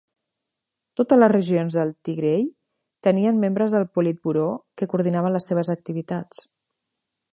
Totes les regions del Tigray tenien membres del politburó que coordinaven les seves activitats.